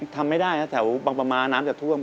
ทำไม่ได้นะแถวบางประมาน้ำจะท่วม